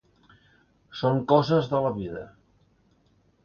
Són coses de la vida.